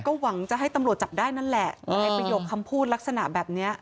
ก็หวังจะให้ตำรวจจับได้นั่นแหละแต่ไอ้ประโยคคำพูดลักษณะแบบเนี้ย